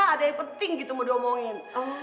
ada yang penting gitu mau dia omongin